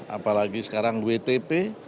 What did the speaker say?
apalagi sekarang wtp